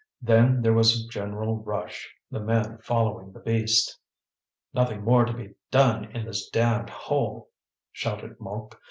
Then there was a general rush, the men following the beast. "Nothing more to be done in this damned hole!" shouted Mouque.